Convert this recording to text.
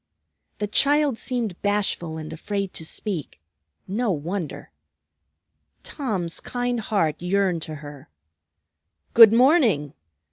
The child seemed bashful and afraid to speak; no wonder! Tom's kind heart yearned to her. "Good morning!